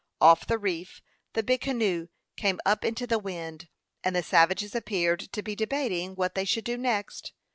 Off the reef the big canoe came up into the wind, and the savages appeared to be debating what they should do next.